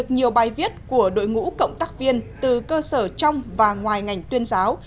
nói viết của đội ngũ cộng tác viên từ cơ sở trong và ngoài ngành tuyên giáo